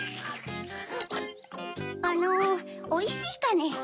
あのおいしいかネ？